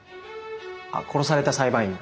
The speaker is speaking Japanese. あっ殺された裁判員の。